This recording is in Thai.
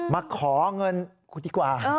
มาขอเงินกูดีกว่า